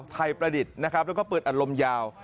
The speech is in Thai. ประดิษฐ์นะครับแล้วก็ปืนอัดลมยาว